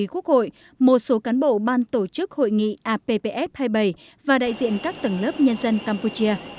đón đoàn tại sân bay có tổng thư ký quốc hội một số cán bộ ban tổ chức hội nghị ippf hai mươi bảy và đại diện các tầng lớp nhân dân campuchia